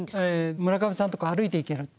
村上さんとこ歩いていける？